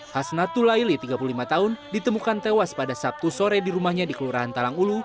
hasnatul laili tiga puluh lima tahun ditemukan tewas pada sabtu sore di rumahnya di kelurahan talangulu